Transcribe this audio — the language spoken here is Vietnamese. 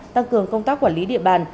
tăng cường công tác quản lý địa bàn